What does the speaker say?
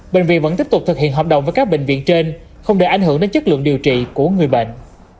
bệnh viện vẫn tiếp tục thực hiện hợp đồng với các bệnh viện trên không để ảnh hưởng đến chất lượng điều trị của người bệnh